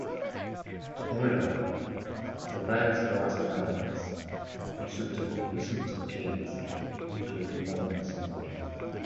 To Aurillac, the various glass pyramids constructed in recent decades include Masonic symbolism.